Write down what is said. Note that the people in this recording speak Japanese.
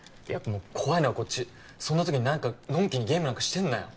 もう怖いのはこっちそんな時に何かのんきにゲームなんかしてんなよ